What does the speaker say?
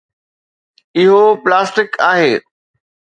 اهو پلاسٽڪ آهي.